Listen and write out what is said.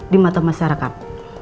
di mata masyarakat